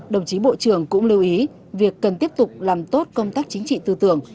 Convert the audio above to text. đồng chí bộ trưởng cũng lưu ý việc cần tiếp tục làm tốt công tác chính trị tư tưởng